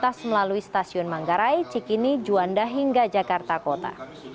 lintas melalui stasiun manggarai cikini juanda hingga jakarta kota